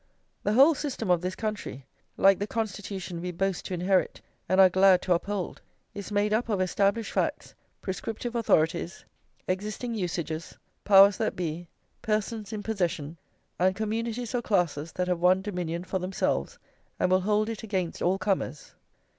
"The whole system of this country, like the constitution we boast to inherit, and are glad to uphold, is made up of established facts, prescriptive authorities, existing usages, powers that be, persons in possession, and communities or classes that have won dominion for themselves, and will hold it against all comers."